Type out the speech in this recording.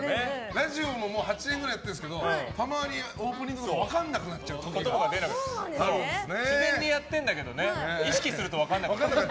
ラジオも８年ぐらいやってるんですけどたまにオープニング分かんなくなっちゃう時が自然にやってんだけどね意識すると、分かんなくなる。